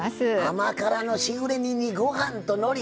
甘辛のしぐれ煮にご飯とのり。